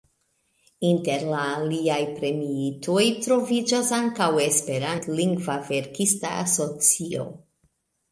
Inter la aliaj premiitoj troviĝas ankaŭ Esperantlingva Verkista Asocio.